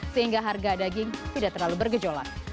sehingga harga daging tidak terlalu bergejolak